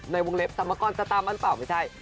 ในวงเล็บสามกรจะตามมันเปล่าไม่ใช่